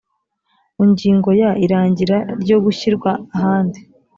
ingingo ya irangira ryo gushyirwa ahandi